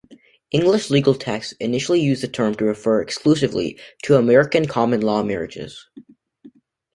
English legal texts initially used the term to refer exclusively to "American" common-law marriages.